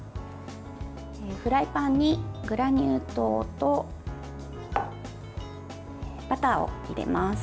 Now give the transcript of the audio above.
フライパンにグラニュー糖とバターを入れます。